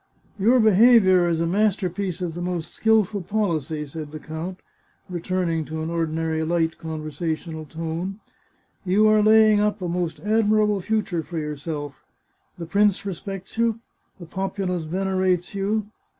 " Your behaviour is a masterpiece of the most skilful policy," said the count, returning to an ordinary light con versational tone. " You are laying up a most admirable future for yourself. The prince respects you. The populace venerates you.